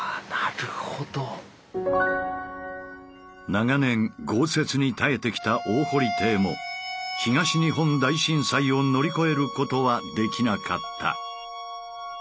長年豪雪に耐えてきた大堀邸も東日本大震災を乗り越えることはできなかった。